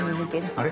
あれ？